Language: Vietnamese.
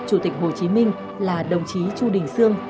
chủ tịch hồ chí minh là đồng chí chu đình sương